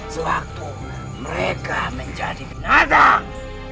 sewaktu mereka menjadi binatang